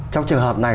trong trường hợp này